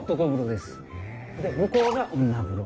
で向こうが女風呂。